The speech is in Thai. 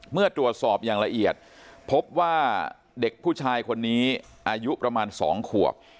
เมื่อตรวจสอบอย่างละเอียดพบว่าเด็กผู้ชายคนนี้อายุประมาณ๒ขวบ